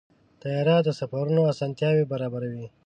طیاره د سفرونو اسانتیا برابروي.